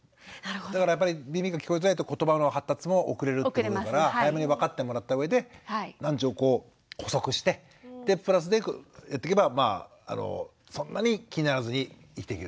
だからやっぱり耳が聞こえてないと言葉の発達も遅れるっていうから早めに分かってもらった上で難聴を補足してプラスでやっていけばまあそんなに気にならずに生きていけると。